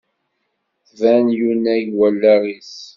Tban yunnag wallaɣ-is.